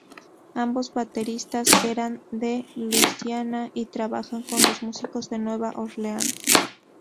Ambos bateristas eran de Luisiana y trabajaban con los músicos de Nueva Orleans.